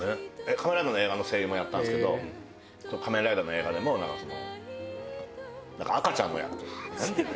『仮面ライダー』の映画の声優もやったんですけど『仮面ライダー』の映画でもなんかその。